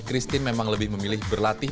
christine memang lebih memilih berlatih